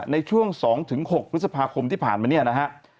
ในช่วง๒๖พฤษภาคมที่ผ่านมาเนี่ยนะฮะ